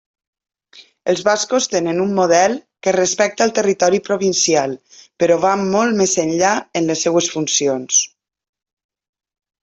Els bascos tenen un model que respecta el territori provincial però va molt més enllà en les seues funcions.